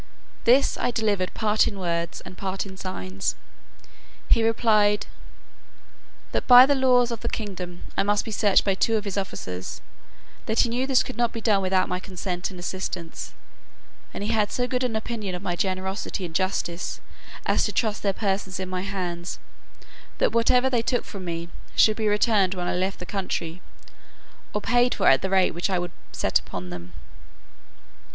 This I delivered part in words, and part in signs. He replied, "that, by the laws of the kingdom, I must be searched by two of his officers; that he knew this could not be done without my consent and assistance; and he had so good an opinion of my generosity and justice, as to trust their persons in my hands; that whatever they took from me, should be returned when I left the country, or paid for at the rate which I would set upon them."